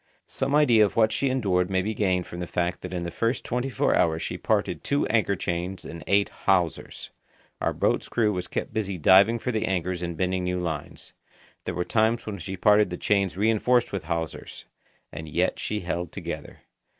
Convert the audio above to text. Some idea of what she endured may be gained from the fact that in the first twenty four hours she parted two anchor chains and eight hawsers. Our boat's crew was kept busy diving for the anchors and bending new lines. There were times when she parted the chains reinforced with hawsers. And yet she held together.